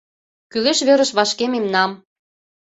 Кӱлеш верыш вашке мемнам